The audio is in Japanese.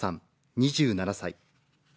２７歳。